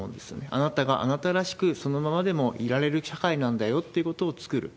あなたがあなたらしく、そのままでもいられる社会なんだよということを作る。